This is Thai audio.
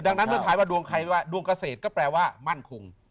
ดังนั้นเมื่อถ่ายมาดวงไข้ดวงเกษตรก็แปลว่ามั่นคง